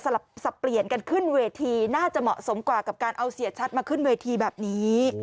สับเปลี่ยนกันขึ้นเวทีน่าจะเหมาะสมกว่ากับการเอาเสียชัดมาขึ้นเวทีแบบนี้